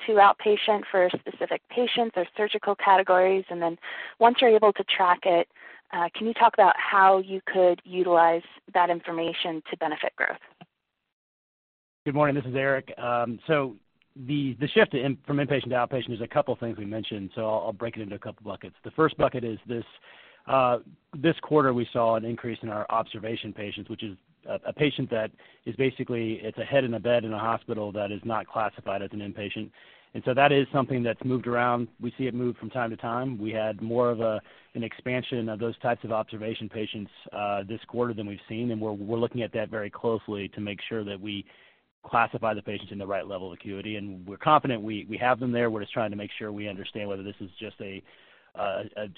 to outpatient for specific patients or surgical categories? Once you're able to track it, can you talk about how you could utilize that information to benefit growth? Good morning, this is Eric. The shift from inpatient to outpatient is a couple things we mentioned, I'll break it into a couple buckets. The first bucket is this quarter, we saw an increase in our observation patients, which is a patient that is basically, it's a head in a bed in a hospital that is not classified as an inpatient. That is something that's moved around. We see it move from time to time. We had more of an expansion of those types of observation patients, this quarter than we've seen. We're looking at that very closely to make sure that we classify the patients in the right level of acuity. We're confident we have them there. We're just trying to make sure we understand whether this is just a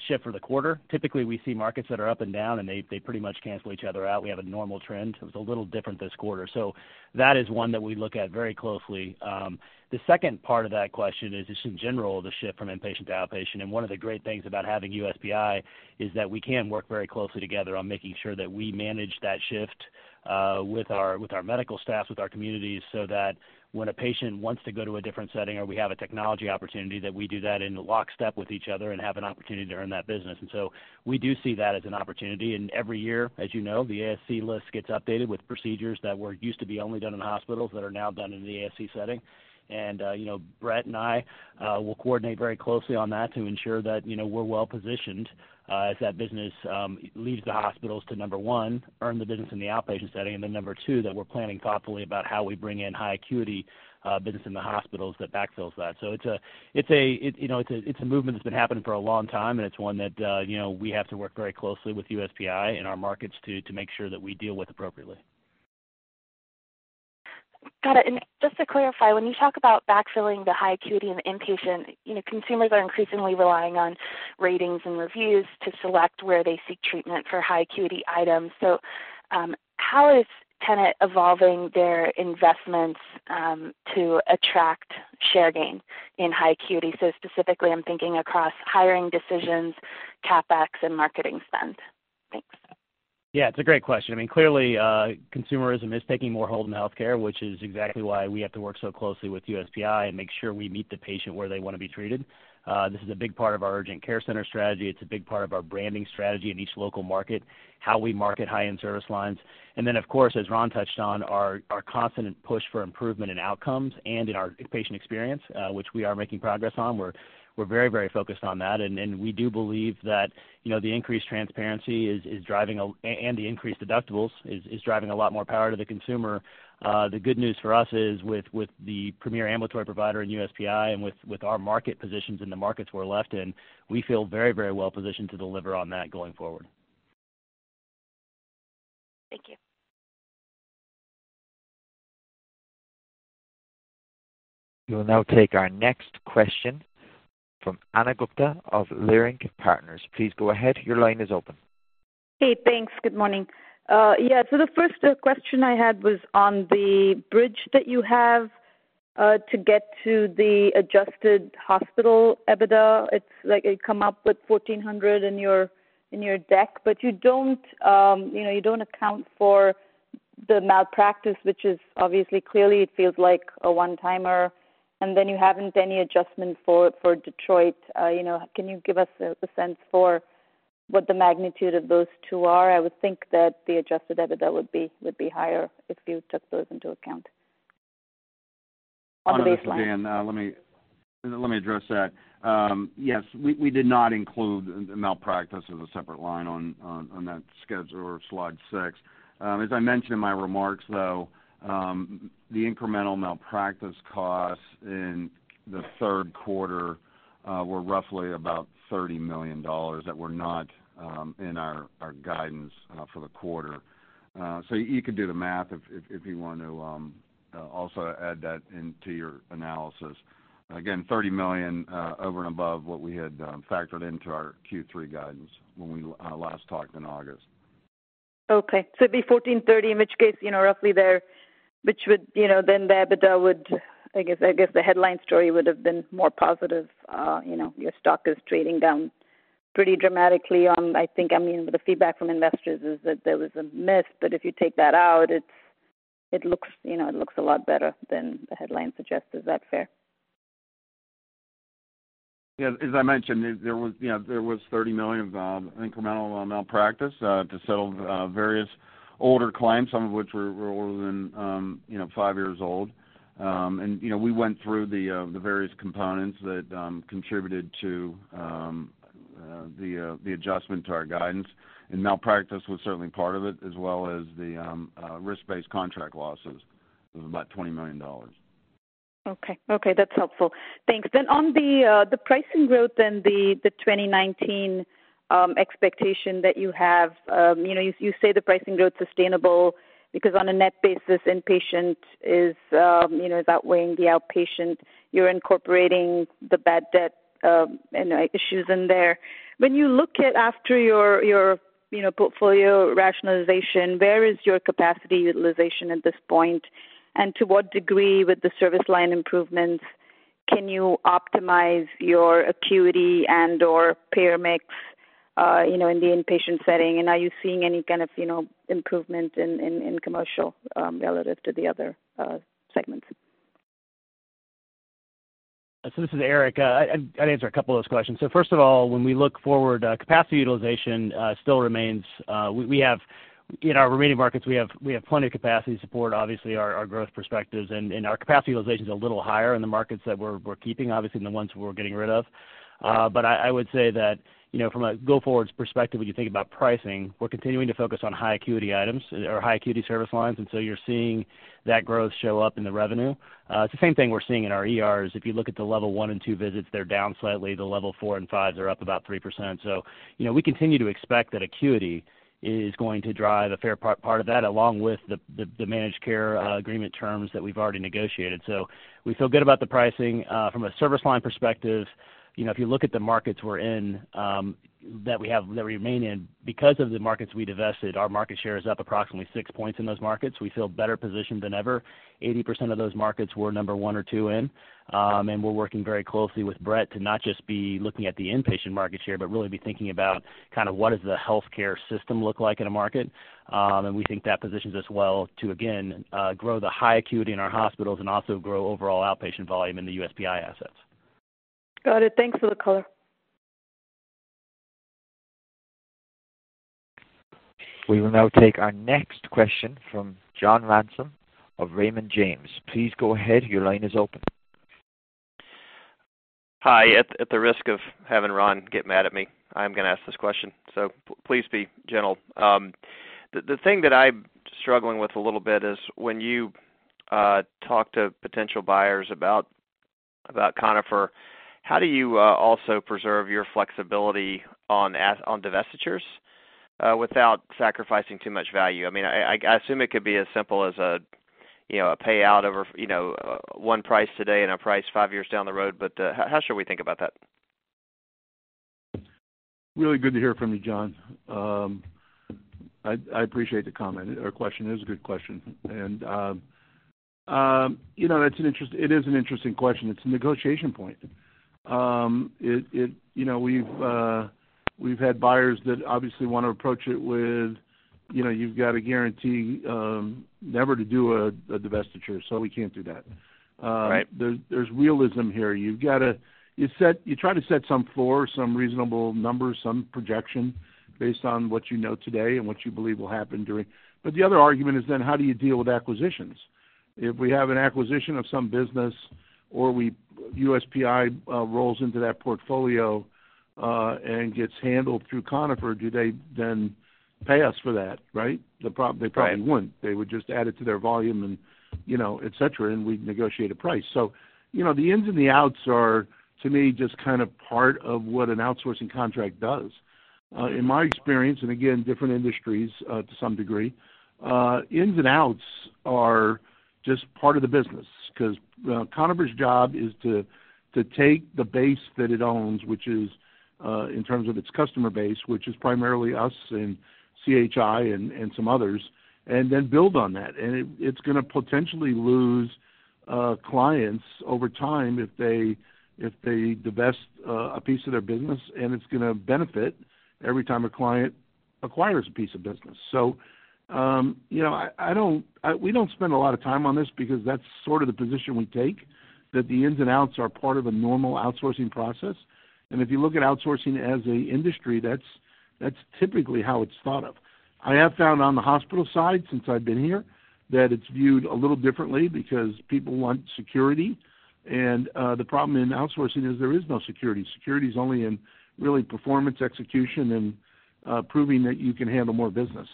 shift for the quarter. Typically, we see markets that are up and down, they pretty much cancel each other out. We have a normal trend. It's a little different this quarter. That is one that we look at very closely. The second part of that question is just in general, the shift from inpatient to outpatient. One of the great things about having USPI is that we can work very closely together on making sure that we manage that shift, with our medical staff, with our communities, so that when a patient wants to go to a different setting or we have a technology opportunity, that we do that in lockstep with each other and have an opportunity to earn that business. We do see that as an opportunity. Every year, as you know, the ASC list gets updated with procedures that used to be only done in hospitals that are now done in the ASC setting. Brett and I will coordinate very closely on that to ensure that we're well-positioned as that business leaves the hospitals to number one, earn the business in the outpatient setting, then number two, that we're planning thoughtfully about how we bring in high acuity business in the hospitals that backfills that. It's a movement that's been happening for a long time, and it's one that we have to work very closely with USPI and our markets to make sure that we deal with appropriately. Got it. Just to clarify, when you talk about backfilling the high acuity and the inpatient, consumers are increasingly relying on ratings and reviews to select where they seek treatment for high acuity items. How is Tenet evolving their investments to attract share gain in high acuity? Specifically, I'm thinking across hiring decisions, CapEx, and marketing spend. Thanks. Yeah, it's a great question. Clearly, consumerism is taking more hold in healthcare, which is exactly why we have to work so closely with USPI and make sure we meet the patient where they want to be treated. This is a big part of our urgent care center strategy. It's a big part of our branding strategy in each local market, how we market high-end service lines. Then, of course, as Ron touched on, our constant push for improvement in outcomes and in our patient experience, which we are making progress on. We're very focused on that. We do believe that the increased transparency and the increased deductibles is driving a lot more power to the consumer. The good news for us is with the premier ambulatory provider in USPI and with our market positions in the markets we're left in, we feel very well positioned to deliver on that going forward. Thank you. We will now take our next question from Ana Gupte of Leerink Partners. Please go ahead. Your line is open. Hey, thanks. Good morning. The first question I had was on the bridge that you have to get to the adjusted hospital EBITDA. It's like you come up with $1,400 in your deck, but you don't account for the malpractice, which is obviously clearly it feels like a one-timer, and then you haven't any adjustment for Detroit. Can you give us a sense for what the magnitude of those two are? I would think that the adjusted EBITDA would be higher if you took those into account on the baseline. Ana, this is Dan. Let me address that. Yes, we did not include malpractice as a separate line on that schedule or slide six. As I mentioned in my remarks, though, the incremental malpractice costs in the third quarter were roughly about $30 million that were not in our guidance for the quarter. You could do the math if you want to also add that into your analysis. Again, $30 million over and above what we had factored into our Q3 guidance when we last talked in August. Okay. It'd be $1,430, in which case, roughly there, the EBITDA would, I guess the headline story would've been more positive. Your stock is trading down pretty dramatically on, I think, the feedback from investors is that there was a miss, if you take that out, it looks a lot better than the headline suggests. Is that fair? Yeah. As I mentioned, there was $30 million of incremental malpractice to settle various older claims, some of which were older than five years old. We went through the various components that contributed to the adjustment to our guidance, and malpractice was certainly part of it, as well as the risk-based contract losses. It was about $20 million. Okay. That's helpful. Thanks. On the pricing growth and the 2019 expectation that you have, you say the pricing growth's sustainable because on a net basis, inpatient is outweighing the outpatient. You're incorporating the bad debt issues in there. When you look at after your portfolio rationalization, where is your capacity utilization at this point? To what degree with the service line improvements can you optimize your acuity and/or payer mix in the inpatient setting? Are you seeing any kind of improvement in commercial relative to the other segments? This is Eric. I'd answer a couple of those questions. First of all, when we look forward, capacity utilization still remains. In our remaining markets, we have plenty of capacity to support, obviously, our growth perspectives. Our capacity utilization's a little higher in the markets that we're keeping, obviously, than the ones we're getting rid of. I would say that from a go-forwards perspective, when you think about pricing, we're continuing to focus on high acuity items or high acuity service lines. You're seeing that growth show up in the revenue. It's the same thing we're seeing in our ERs. If you look at the level 1 and 2 visits, they're down slightly. The level 4 and 5s are up about 3%. We continue to expect that acuity is going to drive a fair part of that, along with the managed care agreement terms that we've already negotiated. We feel good about the pricing. From a service line perspective, if you look at the markets we're in, that we remain in, because of the markets we divested, our market share is up approximately six points in those markets. We feel better positioned than ever. 80% of those markets we're number 1 or 2 in. We're working very closely with Brett to not just be looking at the inpatient market share, but really be thinking about what does the healthcare system look like in a market. We think that positions us well to, again, grow the high acuity in our hospitals and also grow overall outpatient volume in the USPI assets. Got it. Thanks for the color. We will now take our next question from John Ransom of Raymond James. Please go ahead. Your line is open. Hi, at the risk of having Ron get mad at me, I'm going to ask this question, so please be gentle. The thing that I'm struggling with a little bit is when you talk to potential buyers about Conifer, how do you also preserve your flexibility on divestitures without sacrificing too much value? I assume it could be as simple as a payout over one price today and a price five years down the road, but how should we think about that? Really good to hear from you, John. I appreciate the comment or question. It is a good question. It is an interesting question. It's a negotiation point. We've had buyers that obviously want to approach it with, you've got to guarantee never to do a divestiture. We can't do that. Right. There's realism here. You try to set some floor, some reasonable number, some projection based on what you know today and what you believe will happen during. The other argument is then how do you deal with acquisitions? If we have an acquisition of some business or USPI rolls into that portfolio and gets handled through Conifer, do they then pay us for that, right? Right. They probably wouldn't. They would just add it to their volume, and et cetera, and we'd negotiate a price. The ins and the outs are, to me, just part of what an outsourcing contract does. In my experience, and again, different industries to some degree, ins and outs are just part of the business. Because Conifer's job is to take the base that it owns, which is, in terms of its customer base, which is primarily us and CHI and some others, and then build on that. It's going to potentially lose clients over time if they divest a piece of their business, and it's going to benefit every time a client acquires a piece of business. We don't spend a lot of time on this because that's sort of the position we take, that the ins and outs are part of a normal outsourcing process. If you look at outsourcing as an industry, that's typically how it's thought of. I have found on the hospital side, since I've been here, that it's viewed a little differently because people want security, and the problem in outsourcing is there is no security. Security is only in really performance execution and proving that you can handle more business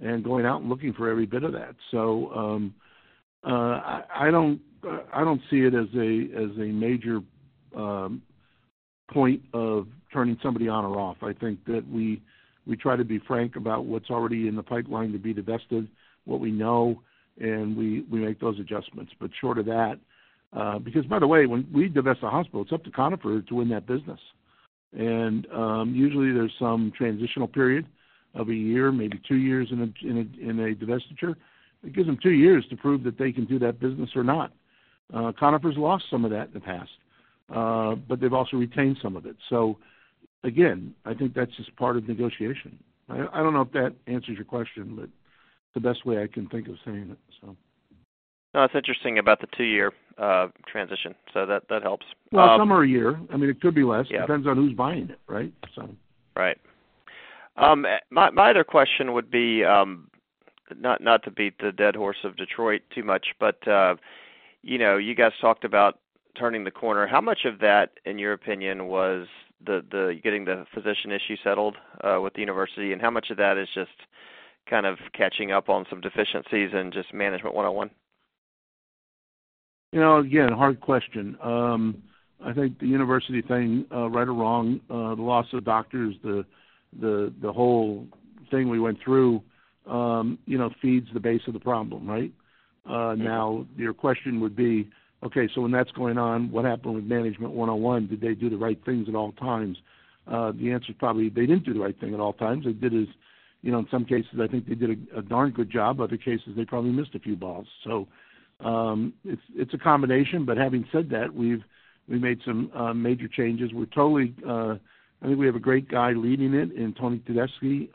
and going out and looking for every bit of that. I don't see it as a major point of turning somebody on or off. I think that we try to be frank about what's already in the pipeline to be divested, what we know, and we make those adjustments. Short of that, because by the way, when we divest a hospital, it's up to Conifer to win that business. Usually there's some transitional period of a year, maybe two years in a divestiture. It gives them two years to prove that they can do that business or not. Conifer's lost some of that in the past, but they've also retained some of it. Again, I think that's just part of negotiation. I don't know if that answers your question, but the best way I can think of saying it. No, it's interesting about the two-year transition, that helps. Well, some are a year. I mean, it could be less. Yeah. Depends on who's buying it, right? Right. My other question would be, not to beat the dead horse of Detroit too much, but you guys talked about turning the corner. How much of that, in your opinion, was getting the physician issue settled with the university, and how much of that is just catching up on some deficiencies and just management 101? Again, hard question. I think the university thing, right or wrong, the loss of doctors, the whole thing we went through feeds the base of the problem, right? Now, your question would be, okay, when that's going on, what happened with management 101? Did they do the right things at all times? The answer's probably they didn't do the right thing at all times. In some cases, I think they did a darn good job. Other cases, they probably missed a few balls. It's a combination. Having said that, we've made some major changes. I think we have a great guy leading it in Tony Tedeschi.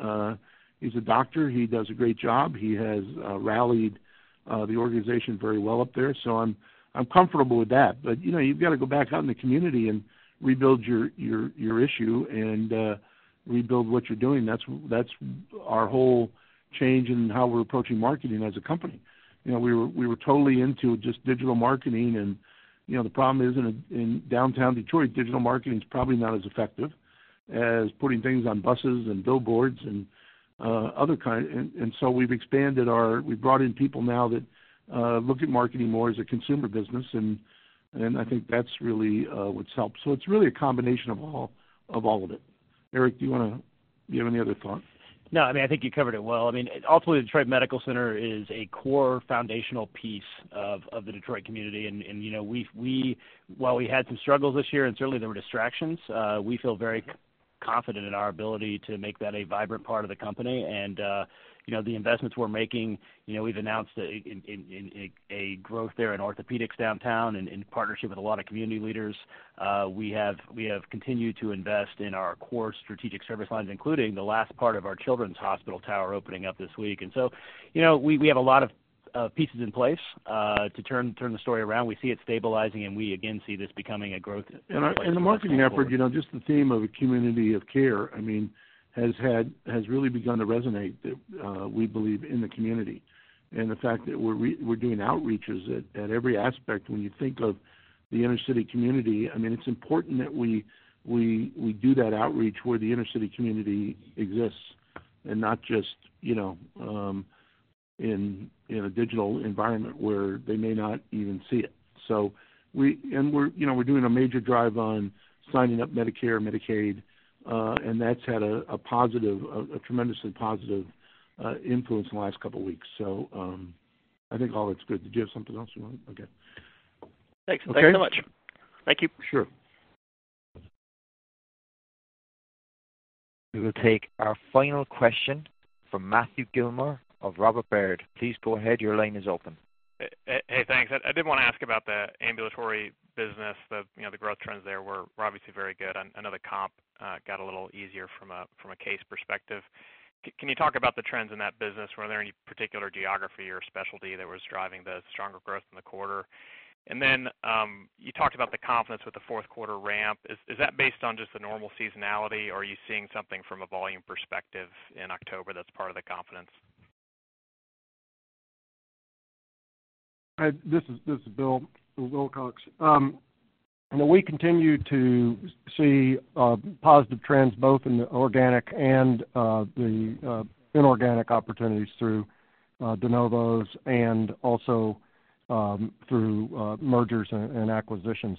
He's a doctor. He does a great job. He has rallied the organization very well up there. I'm comfortable with that. You've got to go back out in the community and rebuild your issue and rebuild what you're doing. That's our whole change in how we're approaching marketing as a company. We were totally into just digital marketing and the problem is in Downtown Detroit, digital marketing's probably not as effective as putting things on buses and billboards and other kind. We've brought in people now that look at marketing more as a consumer business, I think that's really what's helped. It's really a combination of all of it. Eric, do you have any other thoughts? No, I think you covered it well. I mean, ultimately, Detroit Medical Center is a core foundational piece of the Detroit community. While we had some struggles this year, and certainly there were distractions, we feel very confident in our ability to make that a vibrant part of the company. The investments we're making, we've announced a growth there in orthopedics downtown and in partnership with a lot of community leaders. We have continued to invest in our core strategic service lines, including the last part of our children's hospital tower opening up this week. We have a lot of pieces in place to turn the story around. We see it stabilizing, and we again see this becoming a growth play going forward. Our marketing effort, just the theme of a community of care, has really begun to resonate, we believe, in the community. The fact that we're doing outreaches at every aspect. When you think of the inner city community, it's important that we do that outreach where the inner city community exists and not just in a digital environment where they may not even see it. We're doing a major drive on signing up Medicare, Medicaid, and that's had a tremendously positive influence in the last couple of weeks. I think all looks good. Did you have something else you wanted? Okay. Thanks. Okay. Thanks so much. Thank you. Sure. We will take our final question from Matthew Gillmor of Robert Baird. Please go ahead. Your line is open. Hey, thanks. I did want to ask about the ambulatory business. The growth trends there were obviously very good. I know the comp got a little easier from a case perspective. Can you talk about the trends in that business? Were there any particular geography or specialty that was driving the stronger growth in the quarter? You talked about the confidence with the fourth quarter ramp. Is that based on just the normal seasonality, or are you seeing something from a volume perspective in October that's part of the confidence? This is Bill Wilcox. We continue to see positive trends both in the organic and the inorganic opportunities through de novos and also through mergers and acquisitions.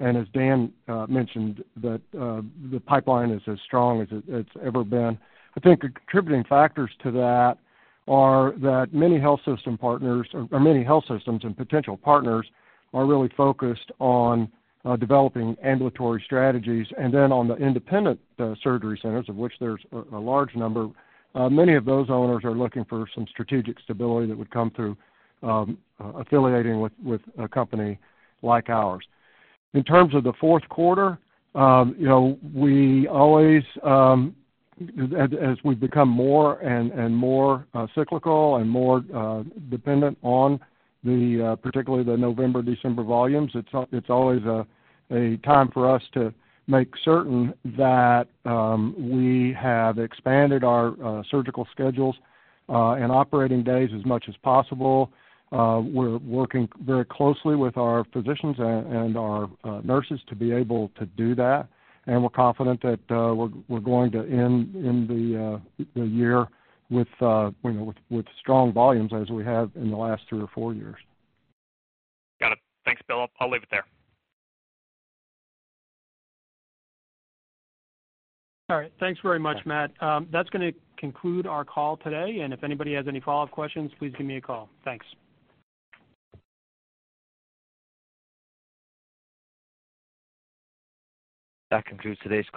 As Dan mentioned, the pipeline is as strong as it's ever been. I think contributing factors to that are that many health system partners or many health systems and potential partners are really focused on developing ambulatory strategies. On the independent surgery centers, of which there's a large number, many of those owners are looking for some strategic stability that would come through affiliating with a company like ours. In terms of the fourth quarter, as we've become more and more cyclical and more dependent on particularly the November, December volumes, it's always a time for us to make certain that we have expanded our surgical schedules and operating days as much as possible. We're working very closely with our physicians and our nurses to be able to do that, and we're confident that we're going to end the year with strong volumes as we have in the last three or four years. Got it. Thanks, Bill. I'll leave it there. All right. Thanks very much, Matt. That's going to conclude our call today, and if anybody has any follow-up questions, please give me a call. Thanks. That concludes today's call